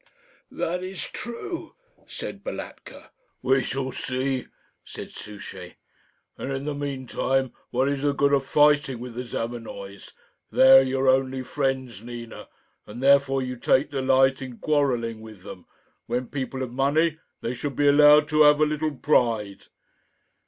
"That is true," said Balatka. "We shall see," said Souchey. "And in the mean time what is the good of fighting with the Zamenoys? They are your only friends, Nina, and therefore you take delight in quarrelling with them. When people have money, they should be allowed to have a little pride."